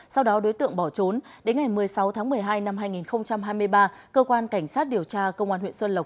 sau đó đối tượng bỏ trốn đến ngày một mươi sáu tháng một mươi hai năm hai nghìn hai mươi ba cơ quan cảnh sát điều tra công an huyện xuân lộc